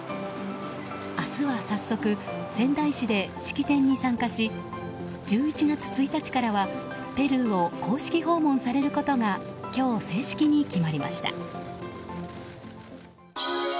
明日は早速、仙台市で式典に参加し１１月１日からはペルーを公式訪問されることが今日、正式に決まりました。